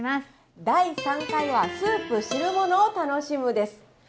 第３回は「スープ・汁物を楽しむ」です。